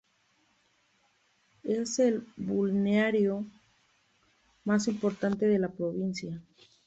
Es el balneario más importante de la provincia.